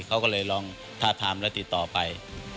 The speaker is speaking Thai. เขาก็เลยลองทาบทามแล้วติดต่อไป